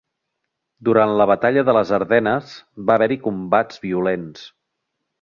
Durant la Batalla de les Ardenes, va haver-hi combats violents.